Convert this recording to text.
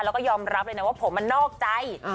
แล้วก็ยอมรับเลยนะว่าผมมันนอกใจ